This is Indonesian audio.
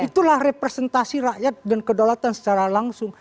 itu adalah representasi rakyat dan kedaulatan secara langsung